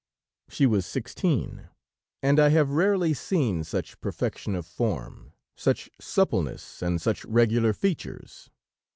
She was sixteen, and I have rarely seen such perfection of form, such suppleness and such regular features.